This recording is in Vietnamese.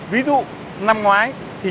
ví dụ năm ngoái